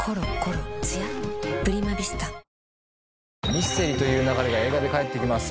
『ミステリと言う勿れ』が映画で帰ってきます。